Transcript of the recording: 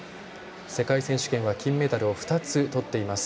世界選手権は金メダルを２つとっています。